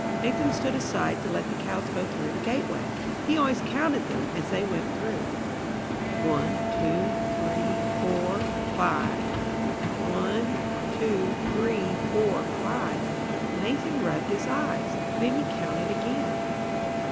Nathan stood aside to let the cows go through the gateway. He always counted them as they went through. One, two, three, four, five one, two, three, four, five Nathan rubbed his eyes. Then he counted again.